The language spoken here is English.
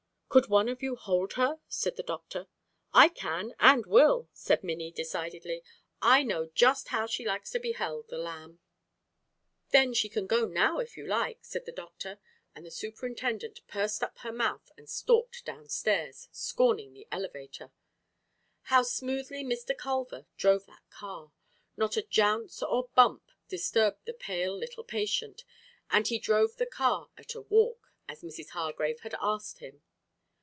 "Could one of you hold her?" said the doctor. "I can and will," said Minnie decidedly. "I know just how she likes to be held, the lamb!" "Then she can go now if you like," said the doctor, and the superintendent pursed up her mouth and stalked downstairs, scorning the elevator. How smoothly Mr. Culver drove that car! Not a jounce or bump disturbed the pale little patient, and he "drove the car at a walk" as Mrs. Hargrave had asked him.